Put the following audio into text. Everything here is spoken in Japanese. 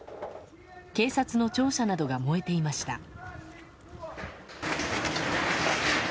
警察の庁舎などが燃えていました。